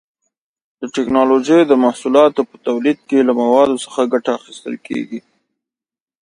د ټېکنالوجۍ د محصولاتو په تولید کې له موادو څخه ګټه اخیستل کېږي.